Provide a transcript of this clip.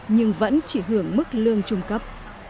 nhưng vẫn chỉ hưởng mức lương trung cấp